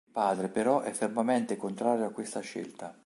Il padre però è fermamente contrario a questa scelta.